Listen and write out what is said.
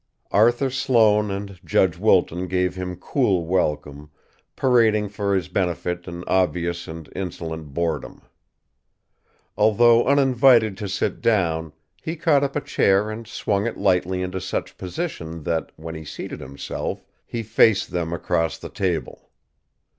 Arthur Sloane and Judge Wilton gave him cool welcome, parading for his benefit an obvious and insolent boredom. Although uninvited to sit down, he caught up a chair and swung it lightly into such position that, when he seated himself, he faced them across the table.